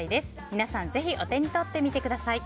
皆さん、ぜひお手に取ってみてください。